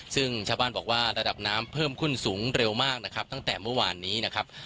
ซึ่งชาวบ้านบอกว่าระดับน้ำเพิ่มขึ้นสูงเร็วมากนะครับตั้งแต่เมื่อวานนี้นะครับ